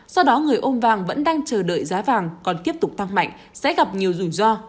do đó người ôm vàng vẫn đang chờ đợi giá vàng còn tiếp tục tăng mạnh sẽ gặp nhiều rủi ro